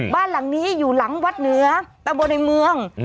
บ้านหลังนี้อยู่หลังวัดเหนือตะบนในเมือง